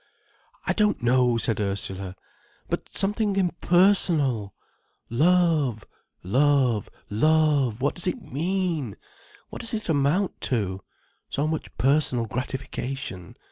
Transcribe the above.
"I don't know," said Ursula. "But something impersonal. Love—love—love—what does it mean—what does it amount to? So much personal gratification.